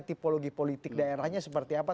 tipologi politik daerahnya seperti apa